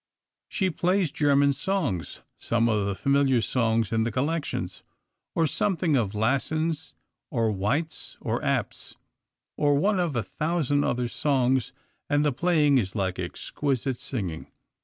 She plays German songs some of the familiar songs in the collections, or something of Lassen's or Weit's, or Abt's, or one of a thousand other songs, and the playing is like exquisite singing.